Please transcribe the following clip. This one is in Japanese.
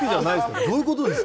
どういうことですか？